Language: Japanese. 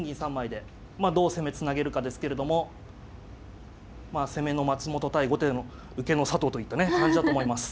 まあどう攻めつなげるかですけれどもまあ攻めの松本対後手の受けの佐藤といったね感じだと思います。